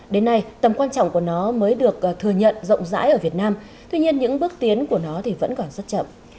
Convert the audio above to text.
đến nay tầm quan trọng của nó mới được thừa nhận rộng rãi ở việt nam tuy nhiên những bước tiến của nó vẫn còn rất chậm